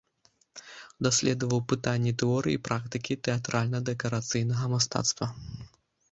Даследаваў пытанні тэорыі і практыкі тэатральна-дэкарацыйнага мастацтва.